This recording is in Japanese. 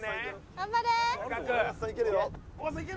頑張れ！